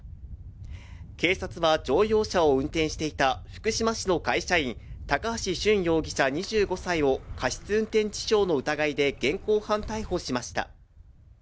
警察は乗用車を運転していた福島市の会社員、高橋俊容疑者２５歳を過失運転致傷の疑いで現行犯逮捕しました。